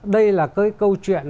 đây là cái câu chuyện